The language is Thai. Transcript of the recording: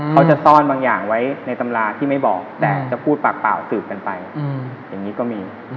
เขาจะซ่อนบางอย่างไว้ในตำราที่ไม่บอกแต่จะพูดปากเปล่าสืบกันไปอย่างนี้ก็มี